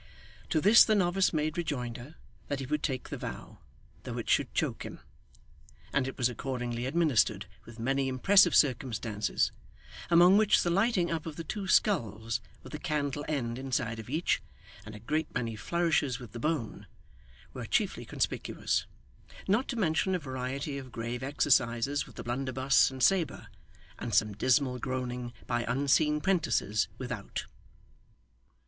To this the novice made rejoinder, that he would take the vow, though it should choke him; and it was accordingly administered with many impressive circumstances, among which the lighting up of the two skulls with a candle end inside of each, and a great many flourishes with the bone, were chiefly conspicuous; not to mention a variety of grave exercises with the blunderbuss and sabre, and some dismal groaning by unseen 'prentices without.